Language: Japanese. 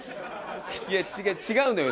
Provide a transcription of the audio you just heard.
いや違う違うのよ。